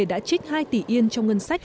đã trích hai tỷ yên trong ngân sách